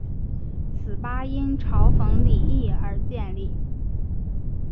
此吧因嘲讽李毅而建立。